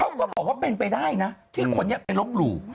เขาก็บอกว่าเป็นไปได้ที่เขาเป็นรบหลู่